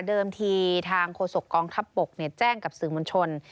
ทีทางโฆษกองทัพบกแจ้งกับสื่อมวลชน